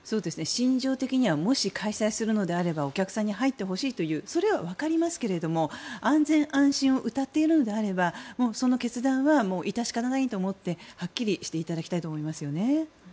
心情的にはもし開催するのであればお客さんに入ってほしいというそれはわかりますけれども安全安心をうたっているのであればもうその決断は致し方ないと思ってはっきりしていただきたいと思いますよね。